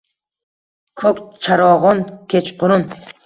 Ko’k charog’on kechqurun;